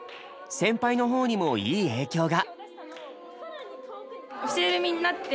先輩の方にもいい影響が。